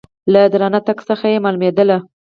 له درانه تګ څخه یې مالومېدل .